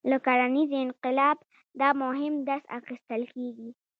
له کرنیز انقلاب دا مهم درس اخیستل کېږي.